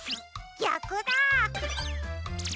ぎゃくだ。